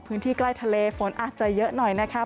ใกล้ทะเลฝนอาจจะเยอะหน่อยนะครับ